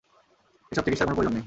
এসব চিকিৎসার কোনো প্রয়োজন নেই।